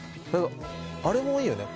あれもいいよね。